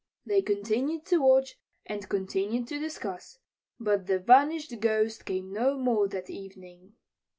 They continued to watch, and continued to discuss, but the vanished Ghost came no more that evening.